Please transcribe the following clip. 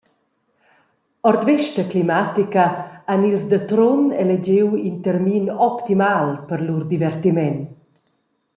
Ord vesta climatica han ils da Trun elegiu in termin optimal per lur divertiment.